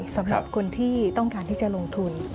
สำหรับคนที่ต้องการที่จะลงทุน